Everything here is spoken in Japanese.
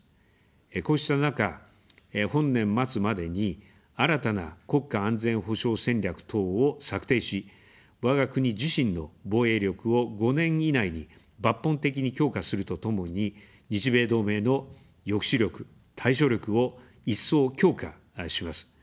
こうした中、本年末までに新たな国家安全保障戦略等を策定し、わが国自身の防衛力を５年以内に抜本的に強化するとともに、日米同盟の抑止力・対処力を一層強化します。